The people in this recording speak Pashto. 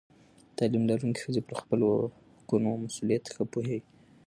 تعلیم لرونکې ښځې پر خپلو حقونو او مسؤلیتونو ښه پوهېږي.